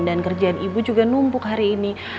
dan kerjaan ibu juga numpuk hari ini